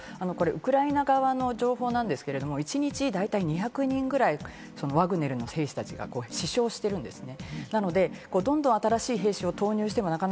ウクライナ側の情報なんですけど、一日、大体２００人ぐらいのワグネルの兵士たちが死傷してるんですね。